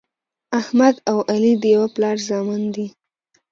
احمد او علي د یوه پلار زامن دي.